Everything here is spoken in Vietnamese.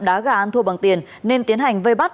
đá gà ăn thua bằng tiền nên tiến hành vây bắt